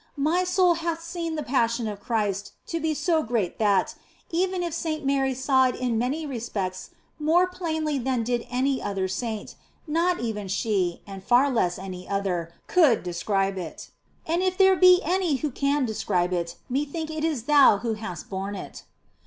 My soul hath seen the Passion of Christ to be so great that, even if Saint Mary saw it in many respects more plainly than did any other saint, not even she and far less any other could de scribe it. And if there be any who can describe it, methinketh it is Thou who hast borne it."